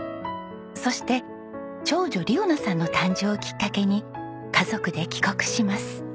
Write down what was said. そして長女莉央奈さんの誕生をきっかけに家族で帰国します。